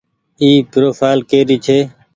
اي پروڦآئل ڪري ڇي۔